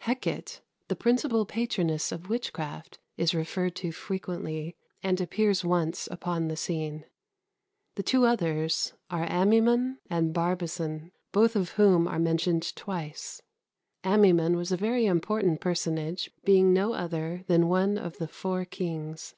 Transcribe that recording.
Hecate, the principal patroness of witchcraft, is referred to frequently, and appears once upon the scene. The two others are Amaimon and Barbazon, both of whom are mentioned twice. Amaimon was a very important personage, being no other than one of the four kings.